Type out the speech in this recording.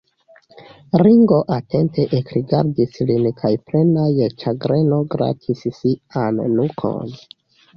Ringo atente ekrigardis lin kaj plena je ĉagreno gratis sian nukon.